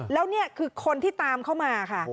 แล้วนี่คือคนที่ตามเข้ามาค่ะ